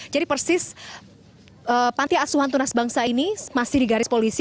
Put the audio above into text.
jadi persis pantai asuhan tunas bangsa ini masih di garis polisi